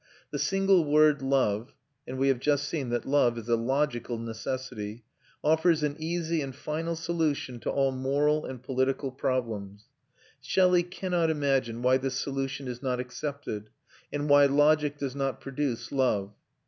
The single word love and we have just seen that love is a logical necessity offers an easy and final solution to all moral and political problems. Shelley cannot imagine why this solution is not accepted, and why logic does not produce love.